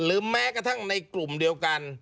แม้กระทั่งในกลุ่มเดียวกัน